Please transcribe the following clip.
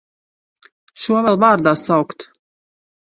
Šo vēl vārdā saukt!